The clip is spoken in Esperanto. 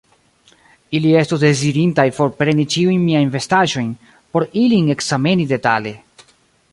Ili estus dezirintaj forpreni ĉiujn miajn vestaĵojn, por ilin ekzameni detale.